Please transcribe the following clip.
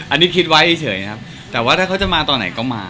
อันนี้คิดไว้เฉยครับแต่ว่าถ้าเขาจะมาตอนไหนก็มา